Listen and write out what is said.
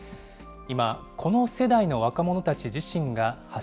今、この世代の若者たち自身が発